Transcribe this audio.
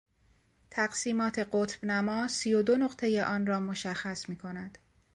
تقسیمات قطبنما، سی و دو نقطهی آن را مشخص میکند.